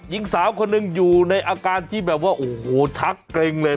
หญิงสาวคนหนึ่งอยู่ในอาการที่แบบว่าโอ้โหชักเกร็งเลย